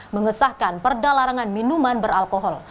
mengesahkan perda larangan minuman beralkohol